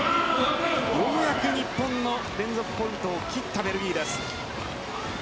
ようやく日本の連続ポイントを切ったベルギー。